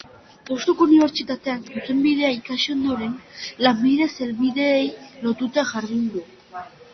Deustuko Unibertsitatean zuzenbidea ikasi ondoren, lanbidez hedabideei lotuta jardun du.